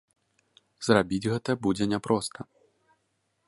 Зрабіць гэта будзе няпроста.